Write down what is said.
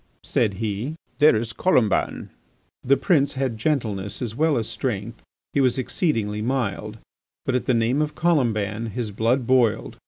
said he, "there is Colomban!" The prince had gentleness as well as strength; he was exceedingly mild; but at the name of Colomban his blood boiled.